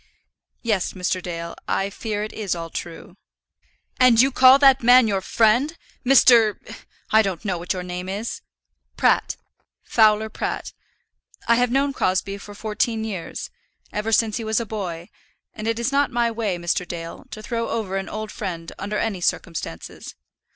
"Yes, Mr. Dale; I fear it is all true." "And you call that man your friend! Mr. ; I don't know what your name is." "Pratt; Fowler Pratt. I have known Crosbie for fourteen years, ever since he was a boy; and it is not my way, Mr. Dale, to throw over an old friend under any circumstances."